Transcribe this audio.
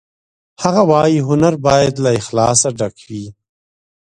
هغه وایی هنر باید له اخلاصه ډک وي